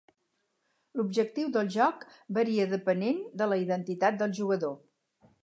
L'objectiu del joc varia depenent de la identitat del jugador.